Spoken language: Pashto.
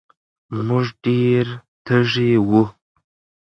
مونږ ډېر تږي وو